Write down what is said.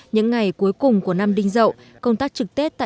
những ngày cuối cùng của năm đinh dậu công tác trực tết tại đơn vị